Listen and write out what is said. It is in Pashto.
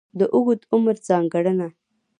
د اوږد عمر ځانګړنه.